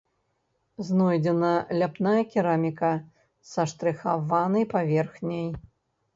Знойдзена ляпная кераміка са штрыхаванай паверхняй.